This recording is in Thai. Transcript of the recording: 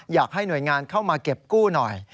อยากให้หน่วยงานเข้ามาเก็บกู้หน่อย